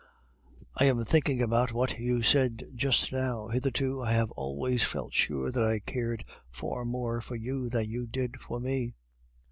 "I am thinking about what you said just now. Hitherto I have always felt sure that I cared far more for you than you did for me."